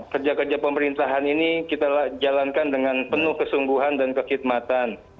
kerja kerja pemerintahan ini kita jalankan dengan penuh kesungguhan dan kekhidmatan